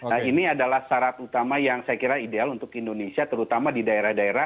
nah ini adalah syarat utama yang saya kira ideal untuk indonesia terutama di daerah daerah